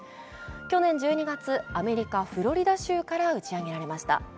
去年１２月、アメリカ・フロリダ州から打ち上げられました。